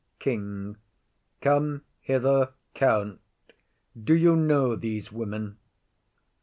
KING. Come hither, count; do you know these women?